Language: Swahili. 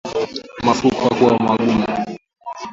Mapafu kuwa magumu